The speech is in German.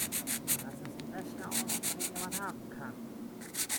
Das ist die beste Ausrede, die man haben kann.